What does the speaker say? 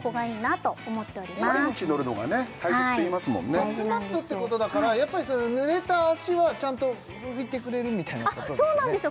バスマットってことだからやっぱりぬれた足はちゃんと拭いてくれるみたいなことですよね？